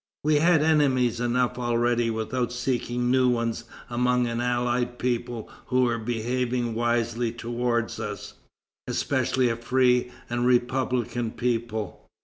We had enemies enough already without seeking new ones among an allied people who were behaving wisely towards us, especially a free and republican people."